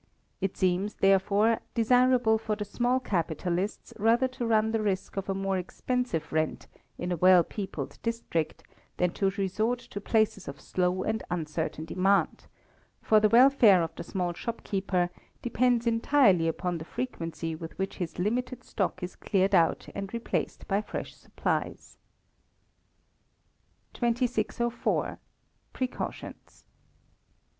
It seems, therefore, desirable for the small capitalists rather to run the risk of a more expensive rent, in a well peopled district, than to resort to places of slow and uncertain demand; for the welfare of the small shopkeeper depends entirely upon the frequency with which his limited stock is cleared out and replaced by fresh supplies. 2604. Precautions.